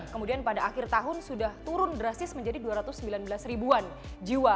kemudian pada akhir tahun sudah turun drastis menjadi dua ratus sembilan belas ribuan jiwa